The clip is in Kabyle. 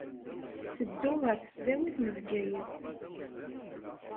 Ttedduɣ ɣer Tesdawit n Bgayet.